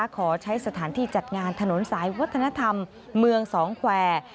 ขอใช้สถานที่จัดงานถนนสายวัฒนธรรมเมืองสองแควร์